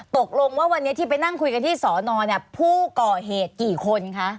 ตกลงว่าวันนี้ที่ไปนั่งคุยกันที่สอนอเนี่ยผู้ก่อเหตุกี่คนคะ